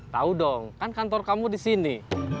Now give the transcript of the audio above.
tahu dong kan kantor kamu di sini